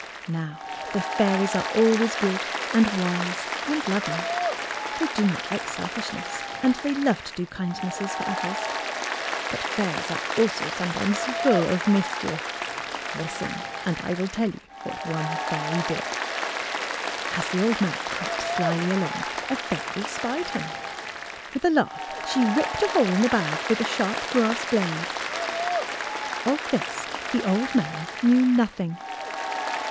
Now the fairies are always good and wise and loving. They do not like selfishness, and they love to do kindnesses for others. But fairies are also sometimes full of mischief. Listen, and I will tell you what one fairy did! As the old man crept slyly along, a fairy spied him. With a laugh she ripped a hole in the bag with a sharp grass blade. Of this the old man knew nothing.